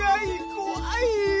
こわい！